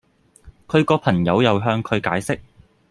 佢個朋友又向佢解釋